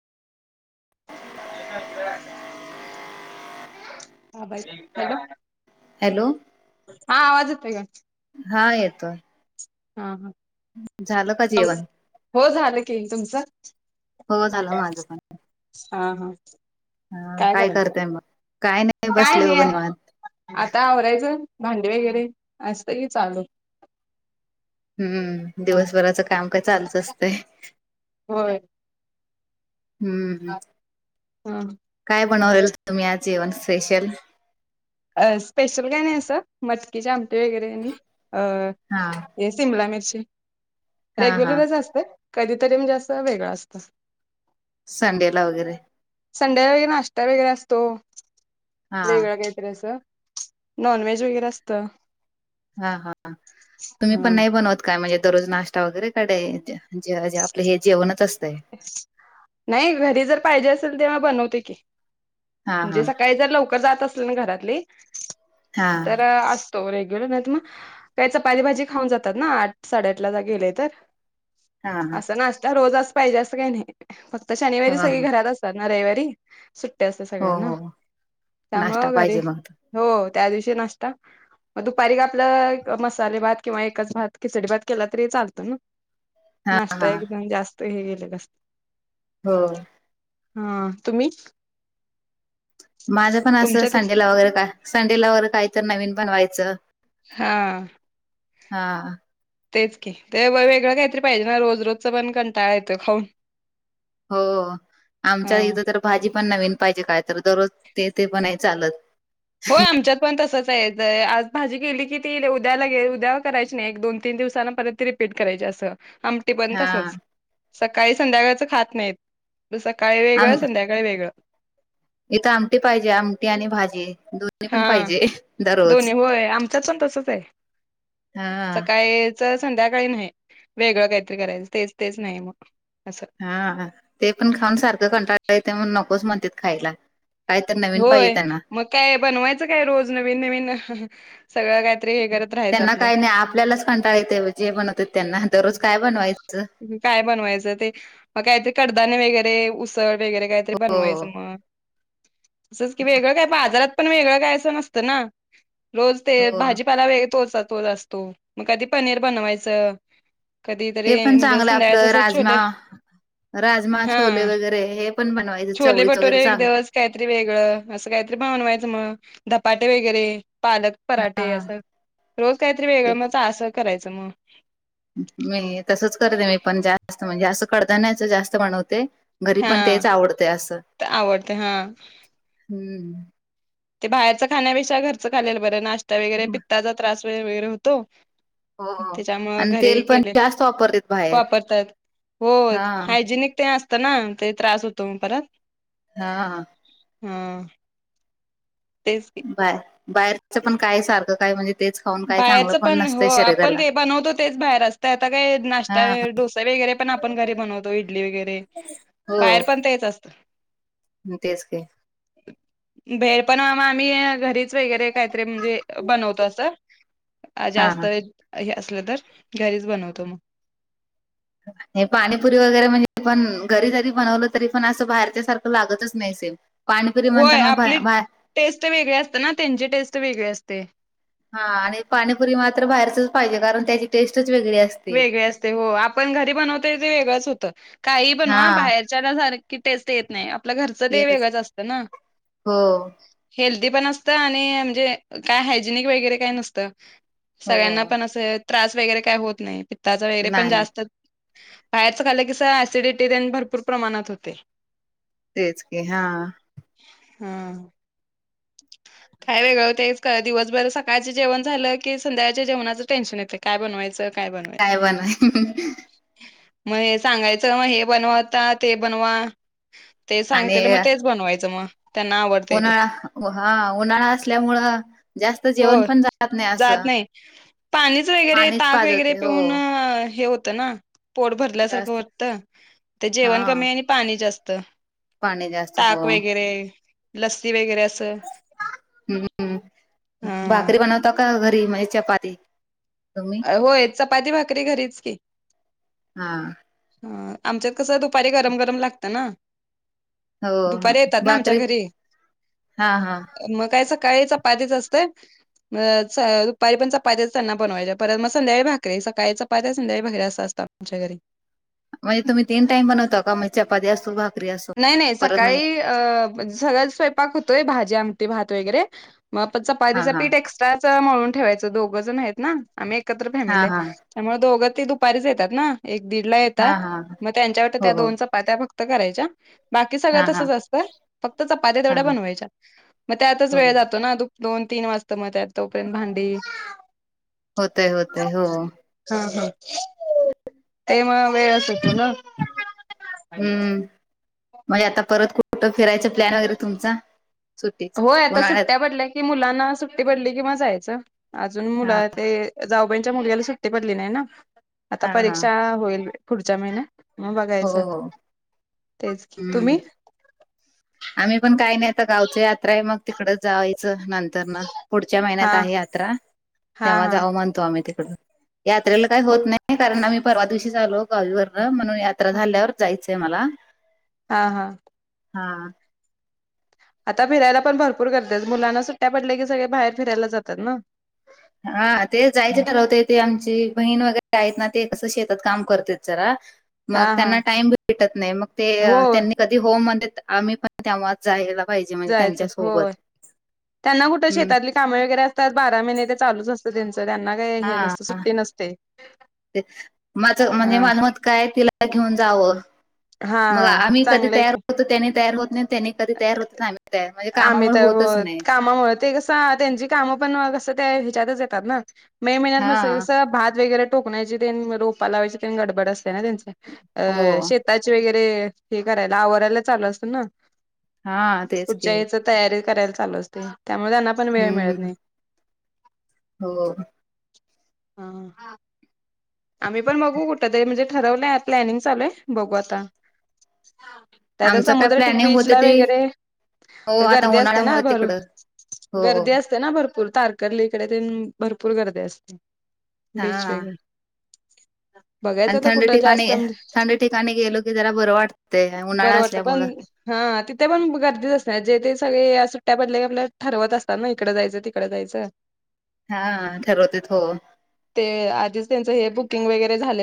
Hello. Hello. हा आवाज येतोय का? हा येतोय. हां हां. झालं का जेवण हो झालं की, तुमचं? हो झालं माझं पण हा हा. हा काय करताय मग? काय नाही काय बसले बघा नाही निवांत. आता आवरायचं भांडी वगैरे असतं की चालू. हम्म हा दिवसभराच काम काय चालुच असतंय. होय हम्म हम हा काय बनवलेल तुम्ही आज जेवण स्पेशल? स्पेशल काय नाही असं, मटकीेची आमटी वगैरे आणि अ हा हे सिमला मिरची, हा हा रेग्युलरच असतय कधीतरी म्हणजे असं वेगळं असतं. संडे ला वगैरे. संडेला वगैरे नाश्ता वगैरे असतो हा वेगळं काहीतरी असं. नॉनव्हेज वगैरे असतं. हा हा तुम्ही पण हा नाही बनवत का म्हणजे दररोज नाश्ता वगैरे? क का डेेे आपले हे जेवणच असतंय? नाही घरी जर पाहिजे असेल तेव्हा बनवते की. हा हा म्हणजे सकाळी जर लवकर जात असली ना घरातली हा तर अस तो रेग्यूलर नाही त म त्या चपाती भाजी खाऊन जातात ना आठ साडेआठ ला जा गेले तर. हा हा असा नाश्ता रोजच पाहिजे असं काही नाही, फक्त हा, शनिवारी सगळी हा. घरात अस तात ना रविवारी, सुट्टी असते हो सगळ्यांना हो नाश्ता त्यामुळ घरी पाहिजे मग हो त्या दिवशी नाश्ता दुपारी काय आपलं मसाले भात किंवा एकच भात, खिचडी भात केला तरी चालतं ना. हा नाश्ता हा एकदम जास्त हे गेलं असत हो. हां तुम्ही? माझं पण असं तुमच्यात संडेला वगैरे काय संडेला वगैरे काय तर नवीन बनवायचं हां. हा तेच की ते वेगळं काहीतरी पाहिजे ना रोज रोजचं पण कंटाळा येतोय खाऊन. हो. आमच्या हा इथं तर भाजी पण नवीन पाहिजे काय तर, दररोज ते ते पण नाय चालत. होय आमच्यात पण तसच हाय, आज भाजी गेली की ती उद्या लगे उद्या करायची नाही एक दोन तीन दिवसांन परत ती री पीट करायची असं, आम टी पण हा तसच, सकाळी संध्याकाळचं खात नाहीत, सकाळी वेगळं आम संध्याकाळी वेगळं. इथं आमटी पाहिजे, आमटी आणि भाजी दोन हा दोन्ही होय, आमच्याच पण तसच आहे हा सकाळी संध्याकाळी नाही वेगळं काहीतरी करायचं तेच, तेच नाही मग असं. हा ते खाऊन सारख कंटाळा येतो म्हणून नकोच म्हणतेत खायला. काय तर नवीन पाहिजे होय त्यांना मग काय बनवायचं काय रोज नवीन, नवीन सगळं काय त्यांना काय नाही आपल्यालाच कंटाळेत जे बनवत त्यांना दररोज काय बनवायचं. काय बनवायचं ते मग काहीतरी कडदाने वगैरे उसळ वगैरे काहीतरी हो बनवायचं. मग तसंच कि वेगळं काय बाजारात पण वेगळं काय असं नसतं ना. रोज ते हो भाजीपाला वेग तोचा, तोच असतो म कधी पनीर बनवायचं. कधीतरी हे पण म्हणजे चांगलं संध्याकाळचं आपलं असं छोले राजमा. राजमा, छोले हा वगैरे हे पण बनवायच चवळीच वगैरे चालू. काईतरी वेगळं असं कायतरी बनवायचं मग धपाटे वगैरे पालक पराठे हा असं. रोज काही तरी वेगळं तेच मी चा असं करायचं म. मी तसच करते मी पण जास्त म्हणजे असं कडधान्याच जास्त बनवते. घरी हा पण तेच आवडतेय असं, ते आवडते हा हम्म. ते बाहेरचं खाण्यापेक्षा घरचं खाल्लेलं बरं नाश्ता वगैरे पित्ताचा त्रास व वगैरे होतो. हो त्याच्यामुंळं आणि घरी तेल पण केले जास्त वापरतेत बाहेर वापरतात. हो हा हायजेनिक ते असतं ना ते त्रास होतो म परत. हा. हा. तेच की. बाहेर, बाहेरच पण काय सारखं काय म्हणजे तेच खाऊन काय चांगलं बाहेरच पण हो नसतंय आपण शरीराला जे बनवतो तेच बाहेर असत आता काय हा नाश्ता वे डोसे वगैरे पण आप घरी बनवतो इडली वगैरे हो बाहेर पण तेच असतं. तेच की. भेळ पण म आम्ही घरीच वगैरे काहीतरी म्हणजे बनवतो असं. हा जास्त हे असलं तर घरीच बनवतो मग. हे पाणीपुरी वगैरे म्हणजे पण घरी जरी बनवलं तरी पण असं बाहेरच्या सारखं लागतच नाही सेम? पाणीपुरी होय म्हणताना आपली बा- बा- टेस्ट वेगळी असते ना त्यांची टेस्ट वेगळी असते. हा आणि पाणीपुरी मात्र बाहेरचच पाहिजे कारण त्याची टेस्टच वेगळी असते वेगळी असते हो आपण घरी बनवतो ते वेगळंच होतं काही हा बनवा बाहेर त्याच्या सारखी टेस्ट येत नाई आपलं घरचं ते येतच वेगळंच असत ना. हो हेल्दी पण असतं आणि म्हणजे काय हायजेनिक वगैरे काय नसतं. हो सगळ्यांना पण असं त्रास वगैरे काय होत नाही पित्ताच वगैरे पण नाही जास्त बाहेरचं खालं की स ऍसिडिटी ते न भरपूर प्रमाणात होते‌. तेच की हा. हा. काय वेगळं तेच क दिवसभर सकाळचे जेवण झालं की संध्याळच्या जेवणाचं टेंशध येतंय. काय बनवायचं, काय बनवु? काय बनवाय [unintelligible] म हे सांगायचं म हे बनवता ते बनवा ते आणि सांगतील म तेच बनवायचं मग त्यांना आवड उन्हाळा हा उन्हाळा असल्यामुळं जास्त हो जेवण पण जात नाही जात असं नाई पाणीच वगैरे पाणीच ताक वगैरे पाजवते हो पिऊन हे हो तना पोट भरल्यासारखं जास्त वाटतं ते हा जेवन कमी आणि पाणी जास्त. पाणी जास्त हो ताक वगैरे, लस्सी वगैरे असं. हम्म हम्म हा भाकरी बनवता का घरी म्हजे चपाती. तुम्ही होय चपाती, भाकरी घरीच की हा. हां आमच्यात कसं दुपारी गरम गरम लागतं ना. हो दुपारी येतात ना आमच्या भाकरी घरी. हा हा म काय सकाळी चपातीच असतं म च दुपारी पण चपात्याच त्यांना बनवायच्या परत म संध्याकाळी भाकरीे सकाळी चपात्या संध्याकाळी भाकरी असं असतं आमच्या घरी. म्हणजे तुम तिन टाईम बनवता का म चपाती असतो भा नाही नाही सकाळी अ सगळा स्वयंपाक होतोय भाजी, आमटी, भात वगैरे मग हा चपातीचं हा पीठ एक्स्ट्राच मळून ठेवायचं दोघं जण आहेत ना आम्ही एकत्र हा फॅमिली आहे. हा त्यामुळे दोघं ते दुपारीच येतात ना एक दीड ला हा येतात हा मग त्यांच्यावर हो त्या हो दोनचा पातऱ्या फक्त करायच्या बाकी सगळं हा हा तसंच असतंय फक्त चपात्या हा तेवढ्या हा बनवायच्या मग त्यातच हो वेळ जातो ना दोन तीन वाजत मग त्यात तोपर्यंत भांडी होतय होतय हो. हा हा ते म वेळच होतो ना. हम्म म्हजे आता परत कु ठ फिरायचा प्लॅन वगैरे तुमचा? सुट्टीच होय आता उन्हाळ्यात सुट्ट्या पडल्या की मुलांना सुट्टी पडली कि म जायचं अजून मुल हा ते जाऊबाईंच्या मुलग्याला सुट्टी पडली नाही ना आता हा हा परीक्षा होईल पुढच्या महिन्यात म हो बघायचं हो तेच की हम्म तुम्ही आम्ही पण काय नाही आता गावची यात्रा आहे मग तिकड जावायचं न त्यांना पुढच्या हा महिन्यात आहे यात्रा हा तेव्हा हा जाऊ म्हणतो आम्ही तिकड यात्रेला काही हो होत नाही कारण आम्ही परवा दिवशी झालो गावीवर म्हणून यात्रा झाल्यावर जायचंय मला. हा हा. हा. आता फिरायला पण भरपूर करत्यात मुलांना सुट्ट्या पडल्या की सगळे बाहेर फिरायला जातात ना. हां ते जायचे ठरवते ते आमची बहीण वगैरे आहेत ना ते कसं शेतात काम करते जरा. हा मग हा त्यांना टाइम भेटत नाही मग ते हो त्यांनी कधी होम आम्ही पण तेव्हाच जायला पाहिजे म्हणजे जायचं त्यांच्या सोबत हम्म. काम वगैरे असतात बारा महिने ते चालूच असतं त्यांच त्यांना काय हे हा नसतं सुट्टी नसते. ते माझं हा म्हणजे माझं मत काय तिला घेऊन जावं. हा मग हा आम्ही कधी चांगलंय की तयार होतो त्याने तयार होत नाही त्याने कधी तयार होत आम्ही तयार म्हणजे आम्ही कामामुळे तर हो होतच नाही कामामुळे ते कसे हां त्यांची काम पण कस ते ह्याच्यातच येतात ना मे महिन्यात म हा सगळ भात वगैरे ठोकण्याची त्यानं रोप लावायची त्यानं गडबड असते ना त्यांची हो अह शेत त्याचे वगैरे हे करायला आवराला चालू असतं ना हा. तेच की पुढच्या ह्याच तयारी करायला चालू असते त्यामुळे त्यांना पण वेळ मिळत हम्म नाही. हो. हां हां. आम्ही पण बघू कुठ तरी म्हणजे ठरवलंय प्लॅनिंग चालूय बघू आता. त्या तर आमचं काय समुद्र ठीक प्लॅनिंग होतं बीचला ते वगैरे हो आता गर्दी असत्याना उन्हाळ्यामुळे भरून तिकडं हो गर्दी अस ते ना भरपूर तारकर्लीकडे ते भरपूर गर्दी असते बीच हा वगैरे. बघायचं आणि आता थंड कुठं ठिकाणी जास्त म्हणजे थंड ठिकाणी गेलो की जरा बरं वाटतंय बर उन्हाळा वाटत पण असल्यामुळं हा पण तिथे पण गर्दीच असत्या जे जे सगळे सुट्ट्या पडल्या आपल ठरवत असतात ना इकडें जायचं तिकडें जायचं अस हा ठरवत्यात हो. ते आधीच त्यांच हे बुकिंग वगैरे झाल